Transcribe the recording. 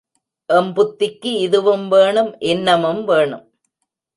M புத்திக்கி இதுவும் வேணும் இன்னமும் வேணும்.